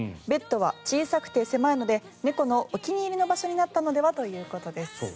ベッドは小さくて狭いので猫のお気に入りの場所になったのではということです。